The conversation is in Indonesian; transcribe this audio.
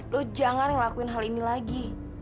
lo jangan ngelakuin hal ini lagi